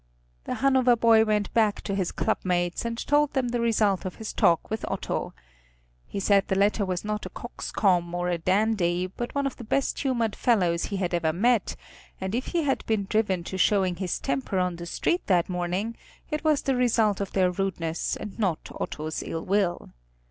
The Hanover boy went back to his clubmates, and told them the result of his talk with Otto. He said the latter was not a coxcomb or a dandy, but one of the best humored fellows he had ever met, and if he had been driven to showing his temper on the street that morning it was the result of their rudeness, and not Otto's ill will.